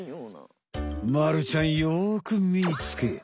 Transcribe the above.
まるちゃんよくみつけ。